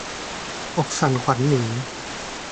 อกสั่นขวัญหนี